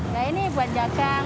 ya ini buat jatah